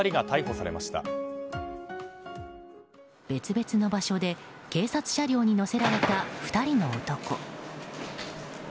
別々の場所で警察車両に乗せられた２人の男。